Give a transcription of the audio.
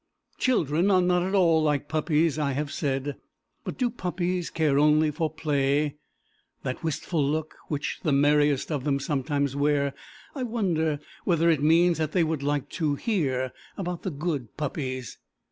Children are not at all like puppies, I have said. But do puppies care only for play? That wistful look, which the merriest of them sometimes wear, I wonder whether it means that they would like to hear about the good puppies?